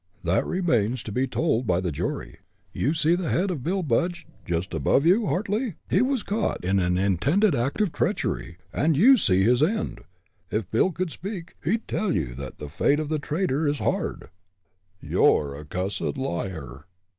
"That remains to be told by the jury. You see the head of Bill Budge, just above you, Hartly? He was caught in an intended act of treachery, and you see his end. If Bill could speak, he'd tell you that the fate of the traitor is hard." "You're a cussed liar!"